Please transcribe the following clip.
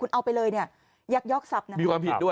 คุณเอาไปเลยเนี่ยยักยอกทรัพย์นะครับ